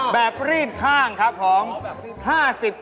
อ๋อแบบรีดข้างครับของอ๋อแบบรีดข้าง